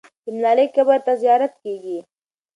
د ملالۍ قبر ته زیارت کېږي.